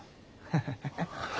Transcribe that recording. ハハハハ。